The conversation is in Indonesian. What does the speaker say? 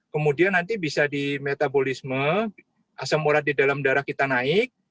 kemudian nanti bisa di metabolisme asam urat di dalam darah kita naik